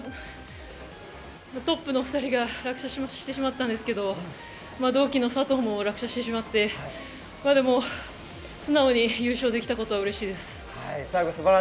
トップの２人が落車してしまったんですけど、同期の佐藤も落車してしまって、素直に優勝できたことは嬉しいです。